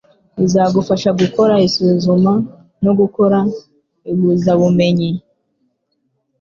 izagufasha gukora isuzuma no gukora ihuzabumenyi